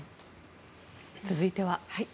続いては。